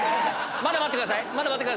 まだ待ってください。